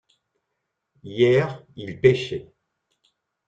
Hier il pêchait.